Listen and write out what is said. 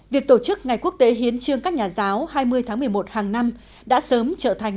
việc tổ chức ngày quốc tế hiến trương các nhà giáo hai mươi tháng một mươi một hàng năm đã sớm trở thành